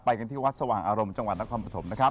กันที่วัดสว่างอารมณ์จังหวัดนครปฐมนะครับ